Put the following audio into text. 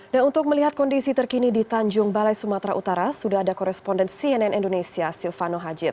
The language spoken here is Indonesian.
nah untuk melihat kondisi terkini di tanjung balai sumatera utara sudah ada koresponden cnn indonesia silvano hajid